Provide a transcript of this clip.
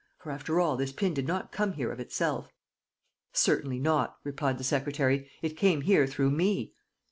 For, after all, this pin did not come here of itself." "Certainly not," replied the secretary. "It came here through me."